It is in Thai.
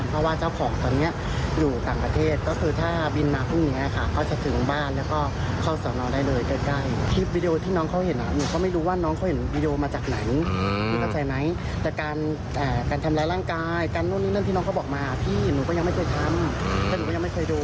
การจำลายร่างกายการที่น้องเค้าบอกมาพี่ผมก็ไม่เคยทำผมก็ไม่เคยโดนพี่เข้าใจมั้ย